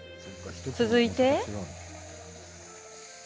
続いて。